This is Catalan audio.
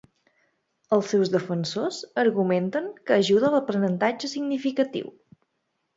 Els seus defensors argumenten que ajuda a l'aprenentatge significatiu.